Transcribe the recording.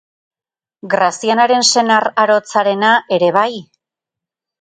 Grazianaren senar arotzarena ere bai?